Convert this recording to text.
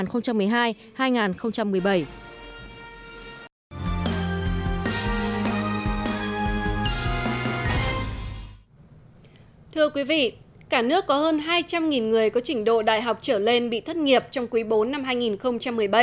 thưa quý vị cả nước có hơn hai trăm linh người có trình độ đại học trở lên bị thất nghiệp trong quý bốn năm hai nghìn một mươi bảy